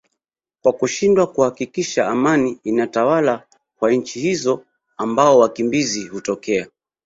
kwa kushindwa kuhakikisha amani inatawala kwa nchi hizo ambao wakimbizi hutokea